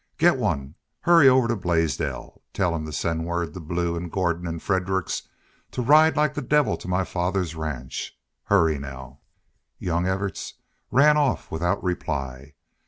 "Get one. Hurry over to Blaisdell. Tell him to send word to Blue and Gordon and Fredericks to ride like the devil to my father's ranch. Hurry now!" Young Evarts ran off without reply.